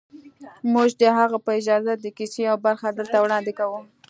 موږ د هغه په اجازه د کیسې یوه برخه دلته وړاندې کوو